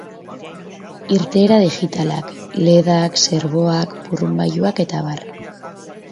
Irteera digitalak: ledak, serboak, burrunbagailuak eta abar.